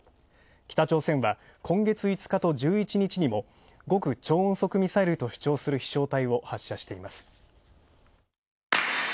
北朝鮮は今月５日と１１日にも極超音速ミサイルとする飛翔体を発射しています。